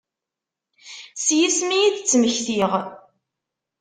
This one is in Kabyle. S yisem i yi-d-ttmektiɣ.